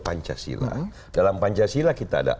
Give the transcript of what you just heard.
pancasila dalam pancasila kita ada